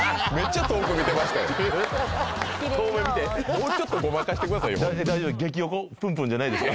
もうちょっとごまかしてくださいよじゃないですか？